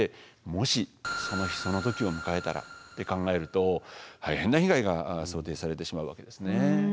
もしその日その時を迎えたらって考えると大変な被害が想定されてしまうわけですね。